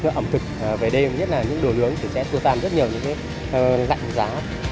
ẩm thực về đêm nhất là những đồ nướng sẽ thu tàn rất nhiều những lạnh giá